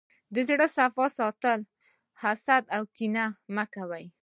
زړه صفا ساته، حسد او کینه مه کوه.